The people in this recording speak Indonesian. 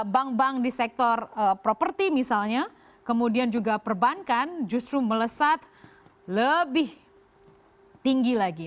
bank bank di sektor properti misalnya kemudian juga perbankan justru melesat lebih tinggi lagi